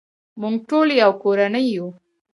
موږ ټول یو کورنۍ یو.